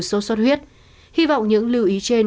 sốt suất huyết hy vọng những lưu ý trên